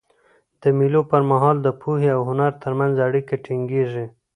د مېلو پر مهال د پوهي او هنر ترمنځ اړیکه ټینګيږي.